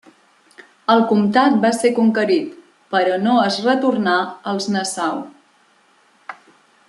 El comtat va ser conquerit, però no es retornà als Nassau.